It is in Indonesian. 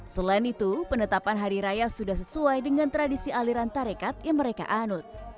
selain itu penetapan hari raya sudah sesuai dengan tradisi aliran tarekat yang mereka anut